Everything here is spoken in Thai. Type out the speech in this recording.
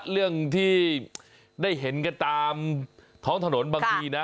เรื่องที่ได้เห็นกันตามท้องถนนบางทีนะ